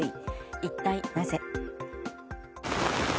一体なぜ？